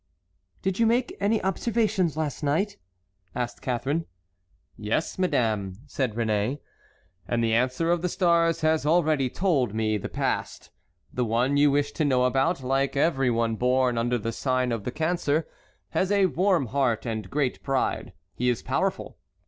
"Did you make any observations last night?" asked Catharine. "Yes, madame," said Réné; "and the answer of the stars has already told me the past. The one you wish to know about, like every one born under the sign of the Cancer, has a warm heart and great pride. He is powerful.